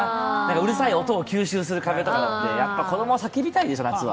うるさい音を吸収する壁とかでやっぱり子供は叫びたいでしょ、夏は。